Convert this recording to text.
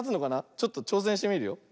ちょっとちょうせんしてみるよ。